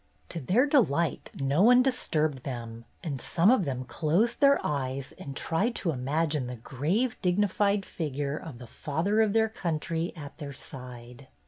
To their delight no one disturbed them, and some of them closed their eyes and tried to imagine the grave, dignified figure of the Father of their country at their side.